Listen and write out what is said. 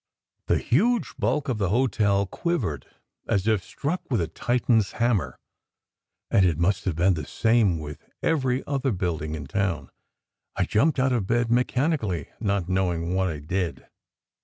m The huge bulk of the hotel quivered, as if struck with a Titan s hammer, and it must have been the same with every other building in town. I jumped out of bed mechanically, not knowing what I did.